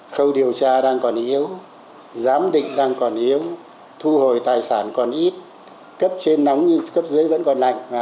khâu điều tra đang còn yếu giám định đang còn yếu thu hồi tài sản còn ít cấp trên nóng nhưng cấp dưới vẫn còn lạnh